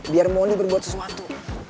biar mondi berbuat sesuatu